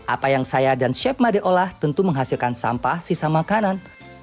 apa yang saya dan chef made olah tentu menghasilkan sampah sisa makanan